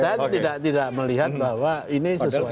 saya tidak melihat bahwa ini sesuatu yang